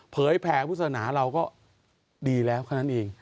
เผยแผงพุทธธนาเราก็ดีแล้วคนนั้นเอง